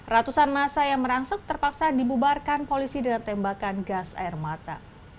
ratusan masa yang merangsek terpaksa dibubarkan polisi dengan tembakan gas air mata